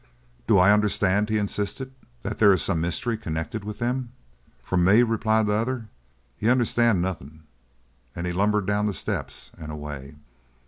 "Do I understand," he insisted, "that there is some mystery connected with them?" "From me," replied the other, "you understand nothin'." And he lumbered down the steps and away.